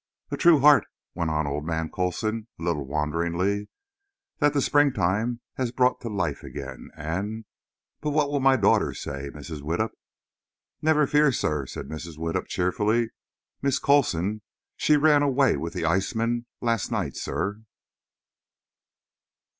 "A true heart," went on old man Coulson, a little wanderingly, "that the springtime has brought to life again, and—but what will my daughter say, Mrs. Widdup?" "Never fear, sir," said Mrs. Widdup, cheerfully. "Miss Coulson, she ran away with the iceman last night, sir!"